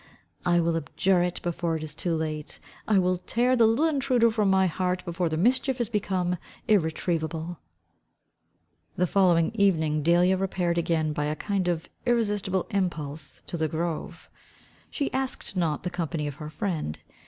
I will abjure it before it be too late. I will tear the little intruder from my heart before the mischief is become irretrievable." The following evening Delia repaired again by a kind of irresistible impulse to the grove. She asked not the company of her friend.